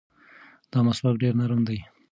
دا مسواک ډېر نرم دی.